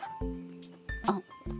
あっ。